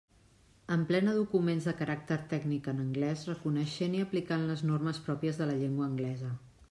Emplena documents de caràcter tècnic en anglès reconeixent i aplicant les normes pròpies de la llengua anglesa.